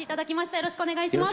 よろしくお願いします。